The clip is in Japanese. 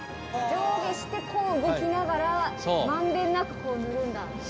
上下してこう動きながら満遍なくこう塗るんだ。